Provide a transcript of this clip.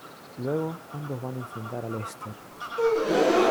Luego ambos van a enfrentar a Lester.